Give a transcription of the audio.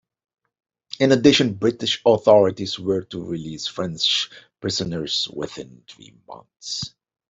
In addition, British authorities were to release French prisoners within three months.